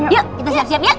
yuk kita siap siap ya